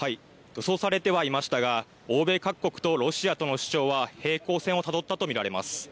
予想されてはいましたが欧米各国とロシアとの主張は平行線をたどったと見られます。